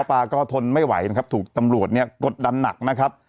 ป้าก็ทนไม่ไหวนะครับถูกตำรวจเนี่ยกดดันหนักนะครับ